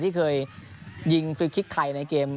ที่เคยยิงฟรีคลิกไทยในเกม